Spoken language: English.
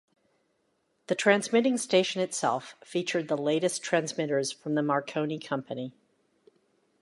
The transmitting station itself featured the latest transmitters from the Marconi Company.